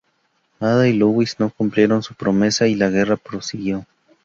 Ada y Luis no cumplieron su promesa y la guerra prosiguió.